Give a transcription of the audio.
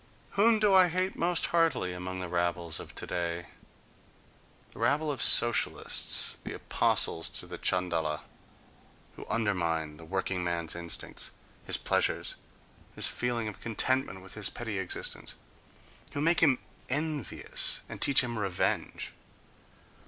Whom do I hate most heartily among the rabbles of today? The rabble of Socialists, the apostles to the Chandala, who undermine the workingman's instincts, his pleasure, his feeling of contentment with his petty existence—who make him envious and teach him revenge....